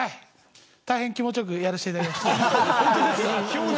大変気持ちよくやらせていただきました。